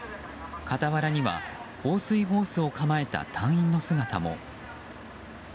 傍らには、放水ホースを構えた隊員の姿も。